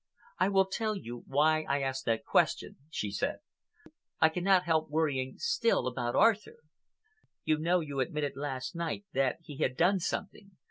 "I will tell you why I ask that question," she said. "I cannot help worrying still about Arthur. You know you admitted last night that he had done something.